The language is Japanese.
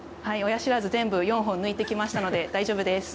親しらず、全部４本抜いてきましたので大丈夫です！